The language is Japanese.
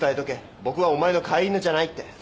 僕はお前の飼い犬じゃないって。